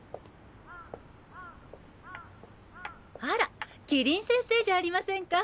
あら希林先生じゃありませんか。